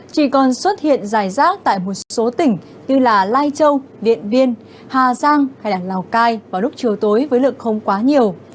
chỉ còn xuất hiện dài rác tại một số tỉnh như lai châu điện biên hà giang hay lào cai vào lúc chiều tối với lượng không quá nhiều